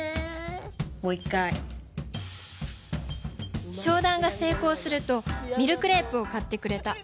もう一回商談が成功するとミルクレープを買ってくれた。